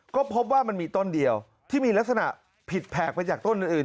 ก็พบว่ามันมีต้นเดียวที่มีลักษณะผิดแผกไปจากต้นอื่น